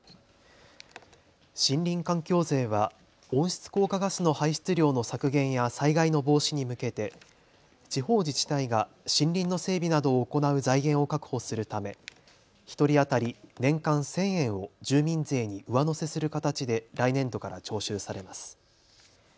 森林環境税は温室効果ガスの排出量の削減や災害の防止に向けて地方自治体が森林の整備などを行う財源を確保するため１人当たり年間１０００円を住民税に上乗せする形で来年度から徴収されます。